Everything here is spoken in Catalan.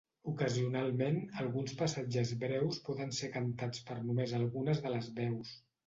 Ocasionalment, alguns passatges breus poden ser cantats per només algunes de les veus.